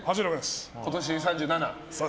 今年３７。